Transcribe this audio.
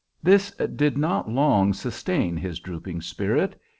This did not long sustain his drooping spirit.